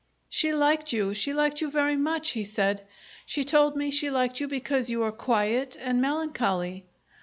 "She liked you, she liked you very much," he said. "She told me she liked you because you were quiet and melancholy.